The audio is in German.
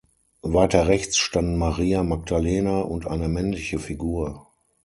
Weiter rechts standen Maria Magdalena und eine männliche Figur.